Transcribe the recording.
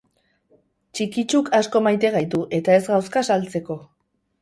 Txikitxuk asko maite gaitu eta ez gauzka saltzeko